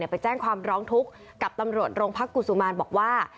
ไปแจ้งความร้องทุกข์กับตำรวจโรงพักกุศุมารบอกว่า